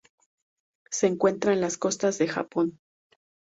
Se encuentra en las costas del Japón.